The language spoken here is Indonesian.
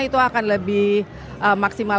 itu akan lebih maksimal